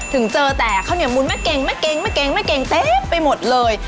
ถึงเจอแต่ข้าวเหนียวมุนแม่เก่งแม่เก๋งแม่เก๋งแม่เก่งเต็มไปหมดเลย